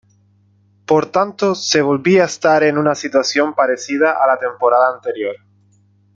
Por tanto, se volvía a estar en una situación parecida a la temporada anterior.